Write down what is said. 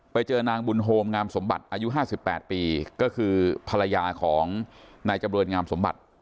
ไปเจอนางบุญโฮมงามสมบัติอายุ๕๘ปีก็คือภรรยาของนายจำเรินงามสมบัติ